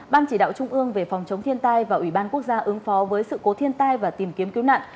ban chỉ đạo trung ương về phòng chống thiên tai và ủy ban quốc gia ứng phó với sự cố thiên tai và tìm kiếm cứu nạn